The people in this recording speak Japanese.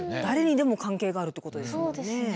誰にでも関係があるってことですもんね。